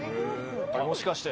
もしかして。